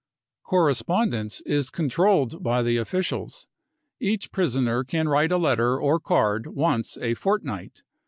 " Correspondence is controlled by the officials. Each pris oner can write a letter orcard once a fortnight.